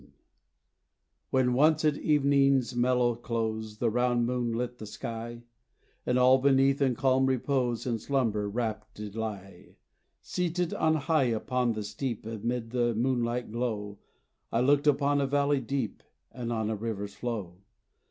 _ When once, at ev'ning's mellow close, The round moon lit the sky, And all beneath in calm repose In slumber rapt did lie Seated on high upon the steep, Amid the moonlight glow, I looked upon a valley deep, And on a river's flow.